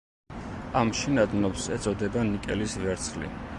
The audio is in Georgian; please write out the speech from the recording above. ამ შენადნობს ეწოდება ნიკელის ვერცხლი.